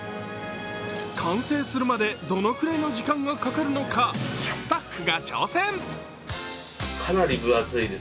完成するまでどのぐらいの時間がかかるのか、スタッフが挑戦。